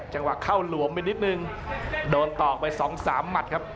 จังหวะเข้าหลวมไปนิดนึงโดนตอกไปสองสามหมัดครับ